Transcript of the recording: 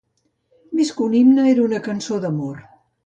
Més que un himne era una cançó d'amor.